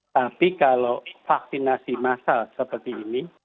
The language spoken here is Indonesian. tapi kalau vaksinasi masal seperti ini